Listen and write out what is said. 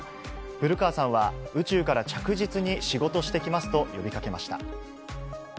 古川さんは、宇宙から着実に仕事してきますと呼びかけました。